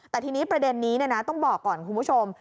แต่ทีนี้ประเด็นนี้ต้องบอกก่อนคุณผู้ชม